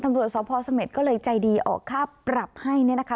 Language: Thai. ตำรวจศพสมิทร์ก็เลยใจดีออกค่าปรับให้นะคะ